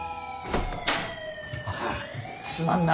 すまんな。